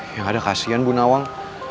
yang ada kasian bu nawang